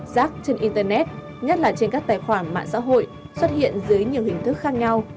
giác trên internet nhất là trên các tài khoản mạng xã hội xuất hiện dưới nhiều hình thức khác nhau